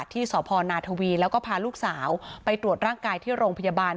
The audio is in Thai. ที่สพนาทวีแล้วก็พาลูกสาวไปตรวจร่างกายที่โรงพยาบาล